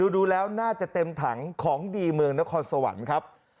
ดูแล้วน่าจะเต็มถังของดีเมืองนครสวรรค์ครับ